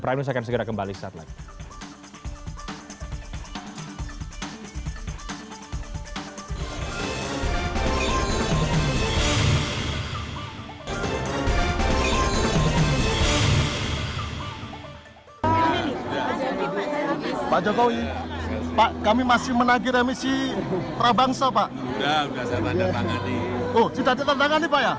prime news akan segera kembali saat lain